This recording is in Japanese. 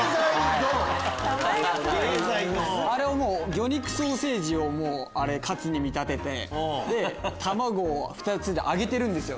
魚肉ソーセージをカツに見立てて卵を揚げてるんですよ。